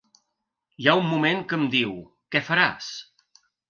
Hi ha un moment que em diu: ‘Què faràs?’